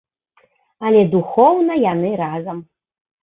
Але духоўна яны разам.